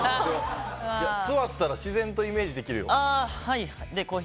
座ったら自然とイメージできるよ。